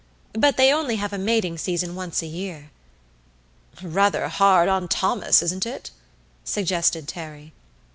But they only have a mating season once a year." "Rather hard on Thomas, isn't it?" suggested Terry.